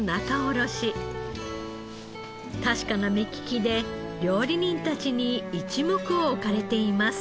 確かな目利きで料理人たちに一目を置かれています。